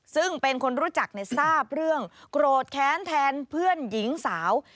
ซึ่งเป็นคนรู้จักในทราบเรื่องโกรธแค้นแทนเพื่อนหญิงสาว